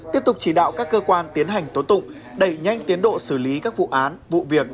tiếp tục chỉ đạo các cơ quan tiến hành tố tụng đẩy nhanh tiến độ xử lý các vụ án vụ việc